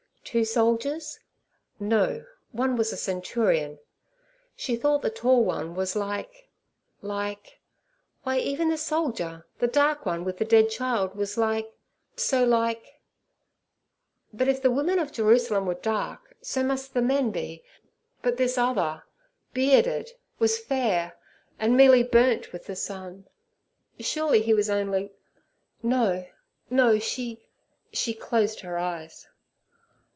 Two soldiers? No; one was a centurion. She thought the tall one was like—like—Why, even the soldier, the dark one, with the dead child, was like, so like—But if the women of Jerusalem were dark, so must the men be. But this other, bearded, was fair and merely burnt with the sun. Surely he was only—No! no! she—she closed her eyes.